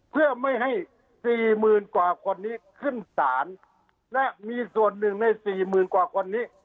เพื่อไม่ให้สี่หมื่นกว่าคนนี้ขึ้นศาลและมีส่วนหนึ่งในสี่หมื่นกว่าคนนี้